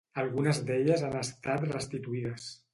Algunes d'elles han estat restituïdes.